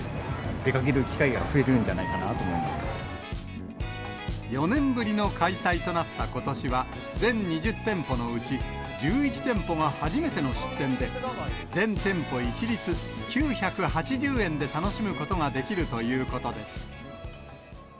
出かける機会が増えるんじゃない４年ぶりの開催となったことしは、全２０店舗のうち、１１店舗が初めての出店で、全店舗一律９８０円で楽しむことができるということです。